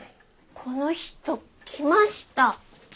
この人来ました！